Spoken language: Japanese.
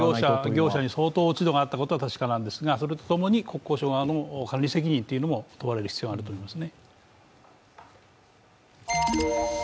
業者に落ち度があったことは確かなんですが、それと共に国交省側の管理責任も問われる必要があります。